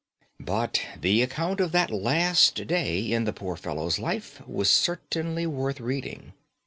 "But the account of that last day in the poor fellow's life was certainly worth reading.